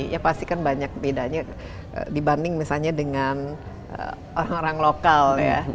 ya pasti kan banyak bedanya dibanding misalnya dengan orang orang lokal ya